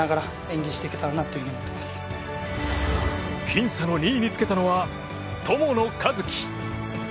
僅差の２位につけたのは友野一希。